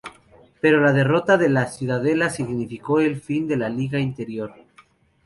Pero la derrota de La Ciudadela significó el fin de la Liga del Interior.